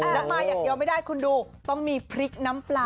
แล้วมาอย่างเดียวไม่ได้คุณดูต้องมีพริกน้ำปลา